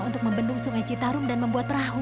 untuk membendung sungai citarum dan membuat perahu